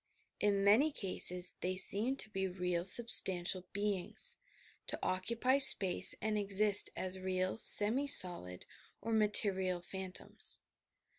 In many eases, they seem to be real substantial beings, — to occupy space and exist as real semi solid, or material phantoms.